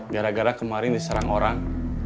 gara gara kemarin diserang orang